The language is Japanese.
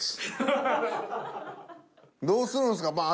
どうするんすかバン！